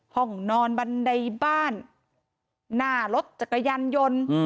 ห้องนอนบันไดบ้านหน้ารถจักรยานยนต์